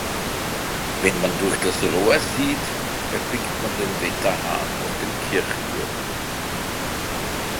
Wenn man durch das Rohr sieht, erblickt man den Wetterhahn auf dem Kirchturm.